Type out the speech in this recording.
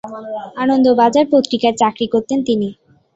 আনন্দবাজার পত্রিকায় চাকরি করতেন তিনি।